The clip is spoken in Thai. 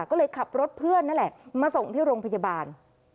ก็เลยขับรถเพื่อนนั่นแหละมาส่งที่โรงพยาบาล